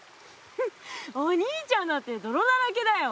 フフお兄ちゃんだってどろだらけだよ。